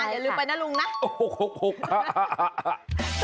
อย่าลืมไปนะลุงนะ